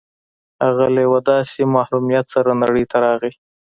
هغه له یوه داسې محرومیت سره نړۍ ته راغی